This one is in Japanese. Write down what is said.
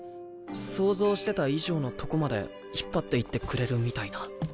想像してた以上のとこまで引っ張っていってくれるみたいな。